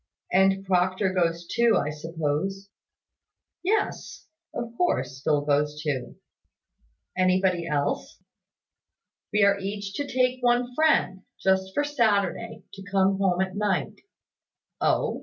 "And Proctor goes too, I suppose?" "Yes; of course, Phil goes too." "Anybody else?" "We are each to take one friend, just for Saturday, to come home at night." "Oh?